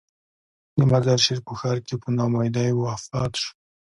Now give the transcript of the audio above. د مزار شریف په ښار کې په نا امیدۍ وفات شو.